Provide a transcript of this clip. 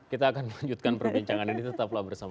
kita akan lanjutkan perbincangan ini tetaplah bersama kami